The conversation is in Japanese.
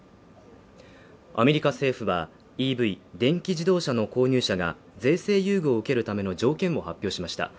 アメリカ政府はＥＶ＝電気自動車の購入者が税制優遇を受けるための条件を発表しました。